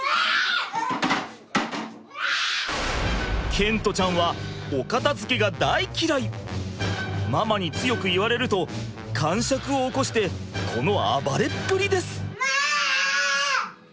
賢澄ちゃんはママに強く言われるとかんしゃくを起こしてこの暴れっぷりです。